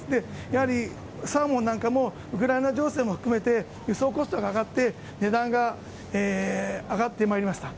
やはりサーモンなんかも、ウクライナ情勢も含めて輸送コストが上がって、値段が上がってまいりました。